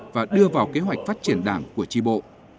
và đưa vào kế hoạch phát triển đảng của tri bộ